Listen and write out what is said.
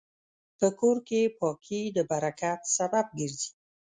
په کور کې پاکي د برکت سبب ګرځي.